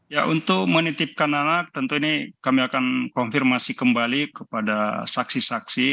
ya untuk menitipkan anak tentu ini kami akan konfirmasi kembali kepada saksi saksi